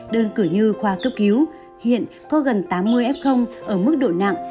đơn cử như khoa cấp cứu hiện có gần tám mươi f ở mức độ nặng